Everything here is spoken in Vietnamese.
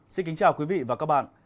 xin kính chào quý vị và các bạn